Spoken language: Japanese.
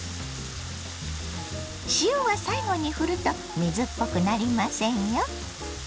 塩は最後にふると水っぽくなりませんよ。